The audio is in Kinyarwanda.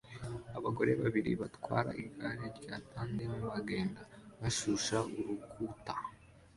Abagore babiri batwara igare rya tandem bagenda bashushanya urukuta